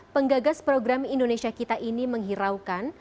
penggagas program indonesia kita ini menghiraukan